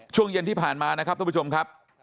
ช่วงเย็นที่ผ่านมานะครับท่านผู้ชมครับ